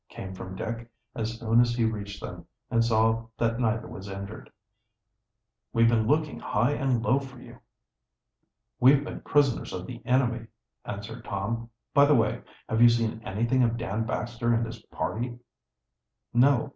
came from Dick, as soon as he reached them, and saw that neither was injured. "We've been looking high and low for you." "We've been prisoners of the enemy," answered Tom. "By the way, have you seen anything of Dan Baxter and his party?" "No.